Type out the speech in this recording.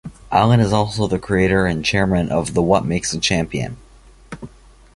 Allan is also the Creator and Chairman of the What Makes a Champion?